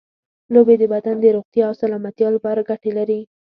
لوبې د بدن د روغتیا او سلامتیا لپاره ګټې لري.